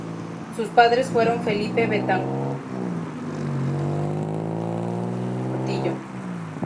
Sus padres fueron Felipe Betancourt, conocido como "El Guache" y de María Luisa Portillo.